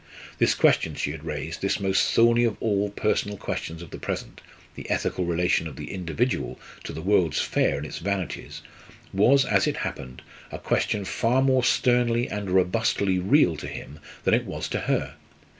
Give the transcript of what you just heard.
This question she had raised, this most thorny of all the personal questions of the present the ethical relation of the individual to the World's Fair and its vanities was, as it happened, a question far more sternly and robustly real to him than it was to her.